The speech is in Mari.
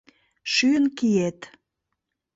— Шӱйын киет.